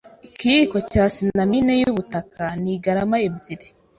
Ikiyiko cya cinamine y'ubutaka ni garama ebyiri.